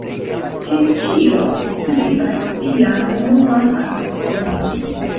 Tinĉjo skribas sian unuan artikolon.